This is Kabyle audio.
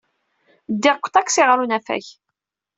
Ddiɣ deg uṭaksi ɣer unafag